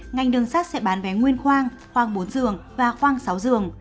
ngành đường sắt sẽ bán vé nguyên khoang khoang bốn giường và khoang sáu giường